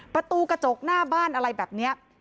ประตูกระจกหน้าบ้านอะไรแบบนี้